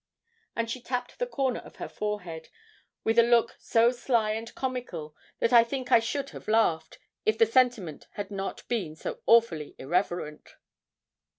And she tapped the corner of her forehead, with a look so sly and comical, that I think I should have laughed, if the sentiment had not been so awfully irreverent.